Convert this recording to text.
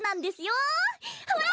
ほら！